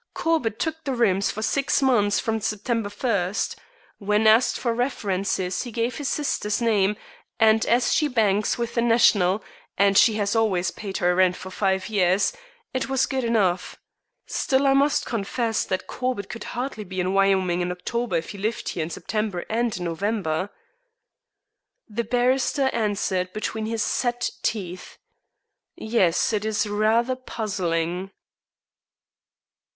Corbett took the rooms for six months from September first. When asked for references he gave his sister's name, and as she banks with the National and she has always paid her rent for five years it was good enough. Still, I must confess that Corbett could hardly be in Wyoming in October if he lived here in September and in November." The barrister answered between his set teeth: "Yes, it is rather puzzling."